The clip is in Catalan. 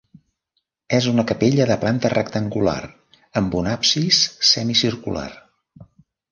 És una capella de planta rectangular amb un absis semicircular.